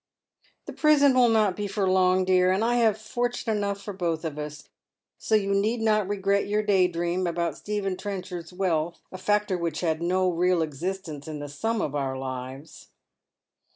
" The prison will not be for long, dear, and I have fortune enough for both of us So you need not regret your day dream about Stephen Trenchard's wealth, a factor which had no real existence in the sum of our lives."